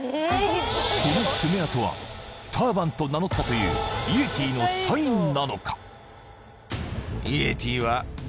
この爪痕はターバンと名乗ったというイエティのサインなのか？